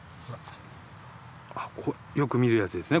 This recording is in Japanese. よく見るやつですね